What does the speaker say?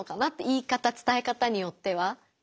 言い方伝え方によっては。